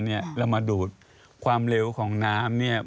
เรามาดูดความเร็วของน้ำเนี่ย